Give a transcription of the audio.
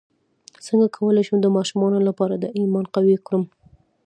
څنګه کولی شم د ماشومانو لپاره د ایمان قوي کړم